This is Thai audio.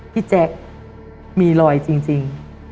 แจ๊คมีรอยจริง